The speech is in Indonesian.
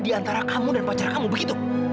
di antara kamu dan pacar kamu begitu